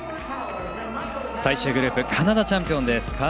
最終グループカナダチャンピオンです。